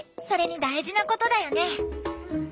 それに大事なことだよね。